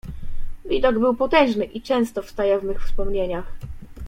"Widok był potężny i często wstaje w mych wspomnieniach."